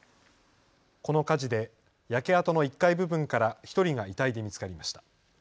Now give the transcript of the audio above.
この火事で焼け跡の１階部分から１人が遺体で見つかりました。